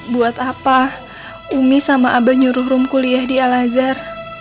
buat apa umi sama aba nyuruh rum kuliah di alazar